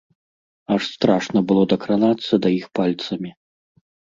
Аж страшна было дакранацца да іх пальцамі.